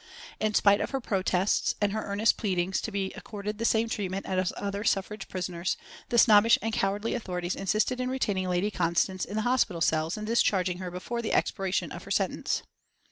In spite of her protests and her earnest pleadings to be accorded the same treatment as other suffrage prisoners, the snobbish and cowardly authorities insisted in retaining Lady Constance in the hospital cells and discharging her before the expiration of her sentence.